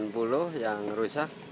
kurang lebih ya